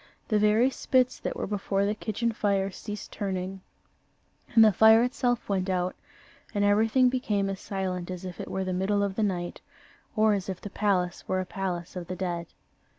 The very spits that were before the kitchen fire ceased turning, and the fire itself went out, and everything became as silent as if it were the middle of the night, or as if the palace were a palace of the dead.